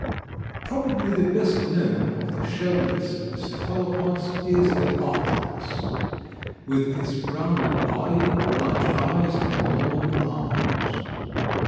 Probably the best known of the shell less cephalopods is the octopus, with its rounded body, large eyes and long arms.